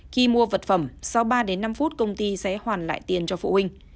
khi mua vật phẩm sau ba đến năm phút công ty sẽ hoàn lại tiền cho phụ huynh